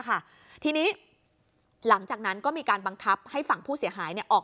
ค่ะทีนี้หลังจากนั้นก็มีการบังคับให้ฝั่งผู้เสียหายเนี่ยออก